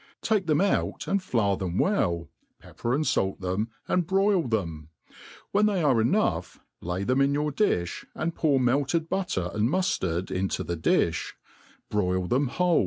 Take thei^i out and flour theru well, pepper aad fait them, and broil them. When they are enough^ h} them in your di£h, and pour melted butter and muflard into IhiecLiih* firosl tbcn wbole.